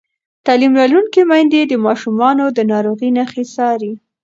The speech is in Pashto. تعلیم لرونکې میندې د ماشومانو د ناروغۍ نښې څاري.